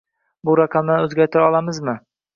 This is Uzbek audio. Bu raqamlarni o'zgartira olamizmi?